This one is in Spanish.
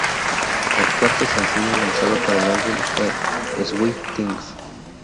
El cuarto sencillo lanzado para el álbum fue "Sweet Things".